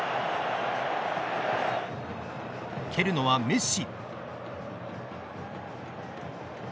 蹴るのはメッシ。